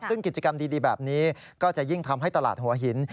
ซึ่งกิจกรรมดีแบบนี้ก็จะยิ่งทำให้ตลาดหัวหิน